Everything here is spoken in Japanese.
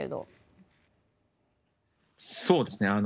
そうですね。